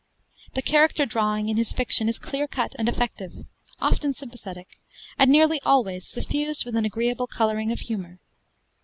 The character drawing in his fiction is clear cut and effective, often sympathetic, and nearly always suffused with an agreeable coloring of humor.